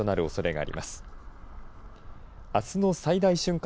あすの最大瞬間